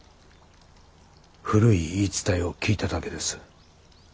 古い言い伝えを聞いただけです。